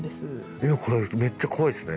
いやこれめっちゃ怖いっすね。